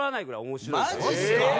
マジっすか？